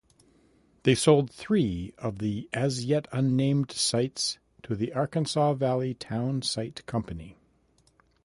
They sold three of the as-yet-unnamed sites to the Arkansas Valley Town Site Company.